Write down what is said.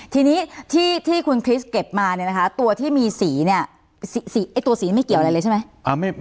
ทีนี้ที่คุณคริสเก็บมาเนี่ยนะคะตัวที่มีสีเนี่ยตัวสีไม่เกี่ยวอะไรเลยใช่ไหม